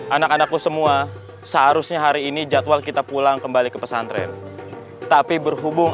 anak anakku semua seharusnya hari ini jadwal kita pulang kembali ke pesantren tapi berhubung